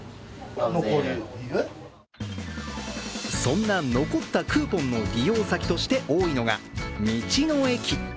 そんな残ったクーポンの利用先として多いのが道の駅。